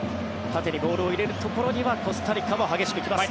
縦にボールを入れるところにはコスタリカも激しく来ます。